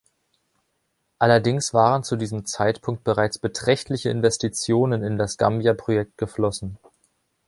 Allerdings waren zu diesem Zeitpunkt bereits beträchtliche Investitionen in das Gambia-Projekt geflossen.